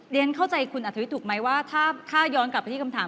เข้าใจคุณอัธวิทย์ถูกไหมว่าถ้าย้อนกลับไปที่คำถาม